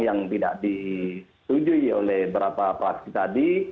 yang tidak disetujui oleh berapa praksi tadi